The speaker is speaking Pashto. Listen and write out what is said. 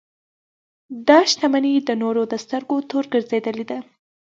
دا شتمنۍ د نورو د سترګو تور ګرځېدلې ده.